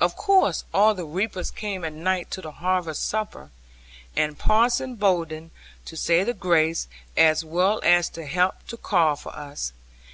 Of course all the reapers came at night to the harvest supper, and Parson Bowden to say the grace as well as to help to carve for us.